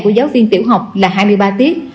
của giáo viên tiểu học là hai mươi ba tiết